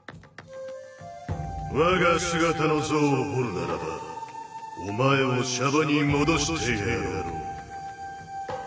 我が姿の像を彫るならばお前を娑婆に戻してやろう。